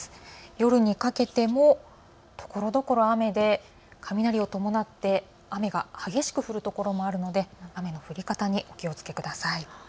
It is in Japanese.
夜にかけてもところどころ雨で雷を伴って雨が激しく降る所もあるので雨の降り方にお気をつけください。